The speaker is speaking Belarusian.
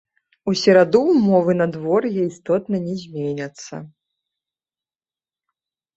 У сераду ўмовы надвор'я істотна не зменяцца.